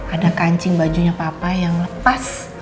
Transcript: ada kancing bajunya papa yang lepas